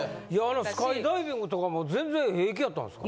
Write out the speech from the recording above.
スカイダイビングとかも全然平気やったんですか。